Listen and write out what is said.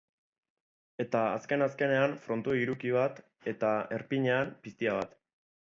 Eta azken-azkenean frontoi hiruki bat eta, erpinean, piztia bat.